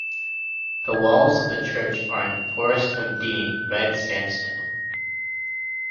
The walls of the church are in Forest of Dean red sandstone.